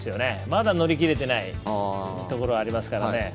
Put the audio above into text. まだ乗り切れていないところがありますからね。